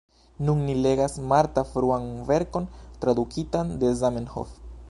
Nun ni legas Marta, fruan verkon tradukitan de Zamenhof.